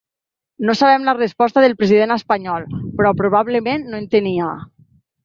No sabem la resposta del president espanyol, però probablement no en tenia.